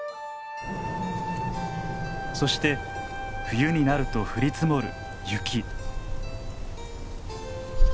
そして冬になると降り積もる雪。